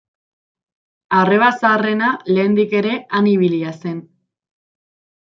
Arreba zaharrena lehendik ere han ibilia zen.